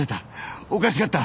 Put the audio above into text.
おかしかった。